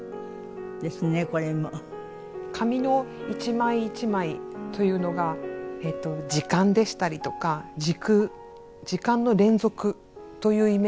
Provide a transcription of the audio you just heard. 紙の一枚一枚というのが時間でしたりとか時空時間の連続というイメージで作っています。